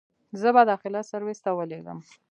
زه به داخله سرويس ته وليکم.